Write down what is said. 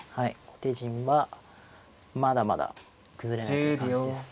後手陣はまだまだ崩れないという感じです。